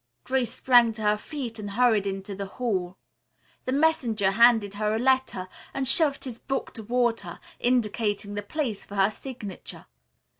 Grace sprang to her feet and hurried into the hall. The messenger handed her a letter and shoved his book toward her, indicating the place for her signature.